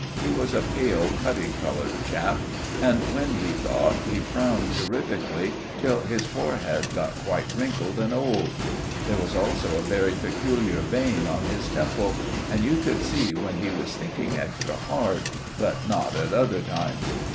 He was a pale, putty coloured chap, and when he thought, he frowned terrifically till his forehead got quite wrinkled and old. There was also a very peculiar vein on his temple you could see when he was thinking extra hard, but not at other times.